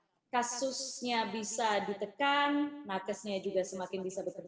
karena memang begitu equation nya sekarang kasusnya bisa ditekan narkisnya juga semakin bisa berkegiatan